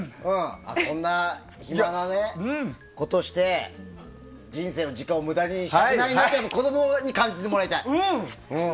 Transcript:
こんな暇なことをして人生の時間をむだにしたくないというのを子供に感じてもらいたい。